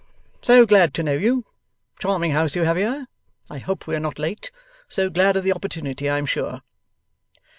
So glad to know you. Charming house you have here. I hope we are not late. So glad of the opportunity, I am sure!